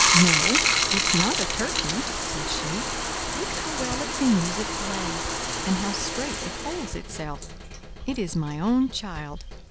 "No, it's not a turkey," said she; "look how well it can use its legs, and how straight it holds itself. It is my own child!